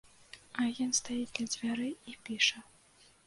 Агент стаіць ля дзвярэй і піша.